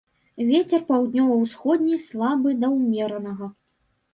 Вецер паўднёва-ўсходні слабы да ўмеранага.